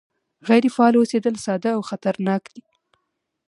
غیر فعال اوسېدل ساده او خطرناک دي